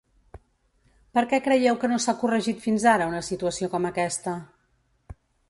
Per què creieu que no s’ha corregit fins ara una situació com aquesta?